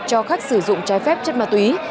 cho khách sử dụng trái phép chất ma túy